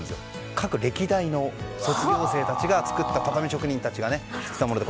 各歴代の卒業生たち畳職人たちが作ったものです。